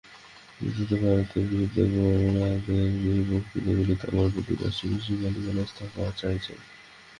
দ্বিতীয়ত ভারতের বিরুদ্ধে গোঁড়াদের এই বক্তৃতাগুলিতে আমার প্রতি রাশি রাশি গালিগালাজ থাকা চাই-ই।